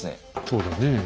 そうだねえ。